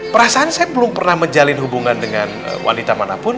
perasaan saya belum pernah menjalin hubungan dengan wanita manapun